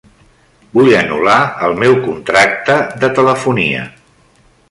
Vull anul·lar el meu contracte de telefonia.